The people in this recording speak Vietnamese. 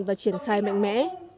và triển khai mạnh mẽ